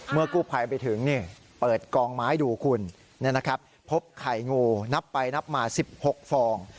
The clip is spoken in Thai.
เมื่อกู้ภัยไปถึงเปิดกองไม้ดูคุณพบไข่งูนับไปนับมา๑๖ฟอง